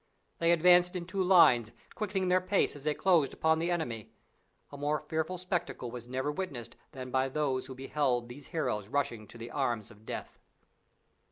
They advanced in two lines, quickening their pace as they closed upon the enemy. A more fearful spectacle was never witnessed than by those who beheld these heroes rushing to the arms of Death.